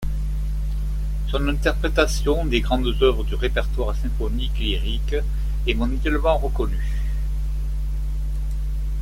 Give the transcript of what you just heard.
Son interprétation des grandes œuvres du répertoire symphonique et lyrique est mondialement reconnue.